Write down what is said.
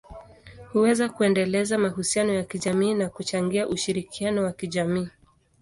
huweza kuendeleza mahusiano ya kijamii na kuchangia ushirikiano wa kijamii.